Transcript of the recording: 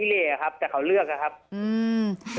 คุณเอกวีสนิทกับเจ้าแม็กซ์แค่ไหนคะ